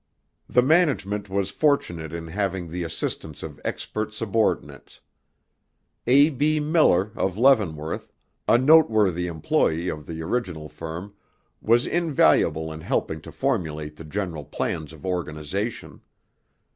The management was fortunate in having the assistance of expert subordinates. A. B. Miller of Leavenworth, a noteworthy employe of the original firm, was invaluable in helping to formulate the general plans of organization.